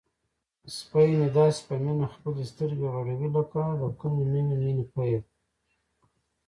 سپی مې داسې په مینه خپلې سترګې غړوي لکه د کومې نوې مینې پیل.